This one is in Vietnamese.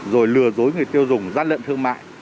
rồi lừa dối người tiêu dùng gian lận thương mại